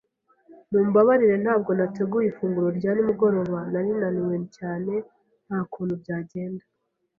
Mumbabarire ntabwo nateguye ifunguro rya nimugoroba. Nari naniwe cyane nta kuntu byagenda.